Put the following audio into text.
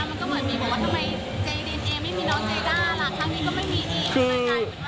บอกว่าทำไมเจ๊ดีเนอะไม่มีน้องเจ๊ด้าแล้วคราวนี้ก็ไม่มี